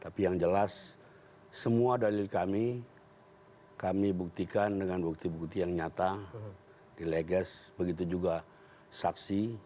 tapi yang jelas semua dalil kami kami buktikan dengan bukti bukti yang nyata di legas begitu juga saksi